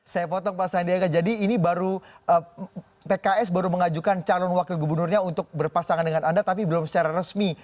saya potong pak sandiaga jadi ini baru pks baru mengajukan calon wakil gubernurnya untuk berpasangan dengan anda tapi belum secara resmi